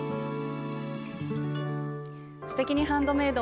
「すてきにハンドメイド」